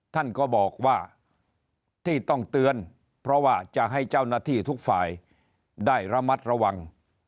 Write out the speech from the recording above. ท่านก็บอกว่าที่ต้องเตือนเพราะว่าจะให้เจ้าหน้าที่ทุกฝ่ายได้ระมัดระวัง